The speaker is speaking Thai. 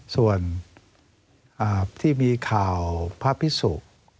ส่วนที่มีข่าวพระพิสุ